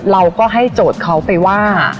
เราก็ให้โจทย์เขาไปว่า